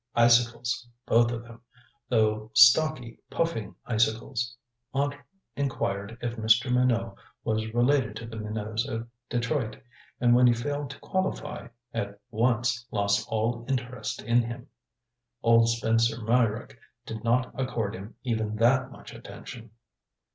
Icicles, both of them, though stocky puffing icicles. Aunt inquired if Mr. Minot was related to the Minots of Detroit, and when he failed to qualify, at once lost all interest in him. Old Spencer Meyrick did not accord him even that much attention.